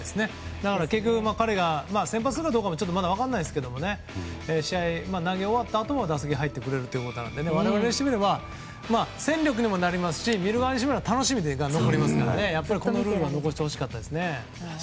だから、結局彼が先発するのかどうかもまだ分かりませんが試合、投げ終わったあとも打席に入ってくれるということなので我々にしてみれば戦力にもなりますし見る側にしてみれば楽しみにもなりますからこのルールは残してほしかったですね。